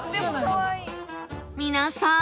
皆さん！